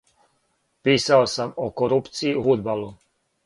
Писао сам о корупцији у фудбалу.